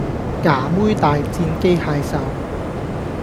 㗎妹大戰機械獸